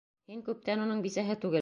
Һин күптән уның бисәһе түгел.